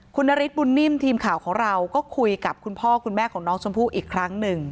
คุณนฤทธบุญนิ่มทีมข่าวของเราก็คุยกับคุณพ่อคุณแม่ของน้องชมพู่อีกครั้งหนึ่ง